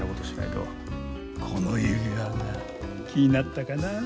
この指輪が気になったかな。